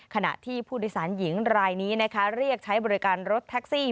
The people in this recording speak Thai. ขณะที่ผู้โดยสารหญิงรายนี้นะคะเรียกใช้บริการรถแท็กซี่